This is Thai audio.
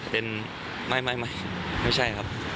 เป็นไม่ไม่ใช่ครับ